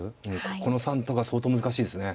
この３択は相当難しいですね。